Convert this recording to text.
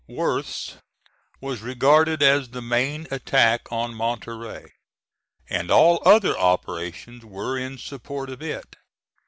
Worth's was regarded as the main attack on Monterey, and all other operations were in support of it.